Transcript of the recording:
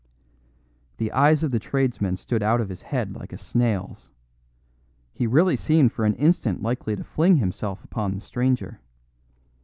The eyes of the tradesman stood out of his head like a snail's; he really seemed for an instant likely to fling himself upon the stranger.